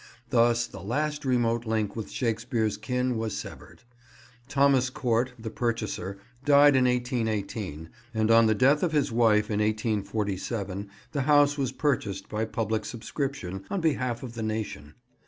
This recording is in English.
Thus the last remote link with Shakespeare's kin was severed. Thomas Court, the purchaser, died in 1818, and on the death of his wife in 1847 the house was purchased by public subscription, on behalf of the nation.